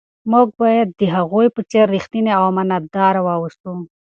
موږ باید د هغوی په څیر ریښتیني او امانتدار واوسو.